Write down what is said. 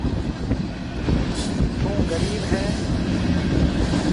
ٿُون غرِيب هيَ۔